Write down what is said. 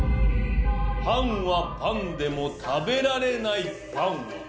パンはパンでも食べられないパンは？」。